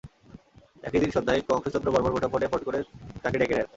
একই দিন সন্ধ্যায় কংস চন্দ্র বর্মণ মুঠোফোনে ফোন করে তাকে ডেকে নেন।